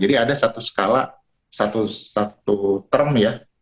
jadi ada satu skala satu term ya